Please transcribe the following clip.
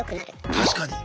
確かに。